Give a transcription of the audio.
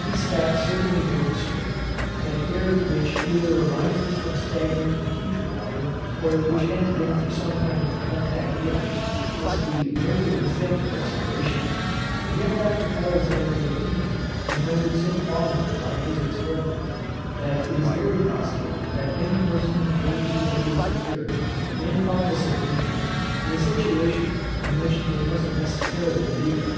These facts certainly demonstrate, that air which either arises from stagnant and putrid water, or which has been for some time in contact with it, must be very unfit for respiration; and yet Dr. Alexander's opinion is rendered so plausible by his experiments, that it is very possible that many persons may be rendered secure, and thoughtless of danger, in a situation in which they must necessarily breathe it.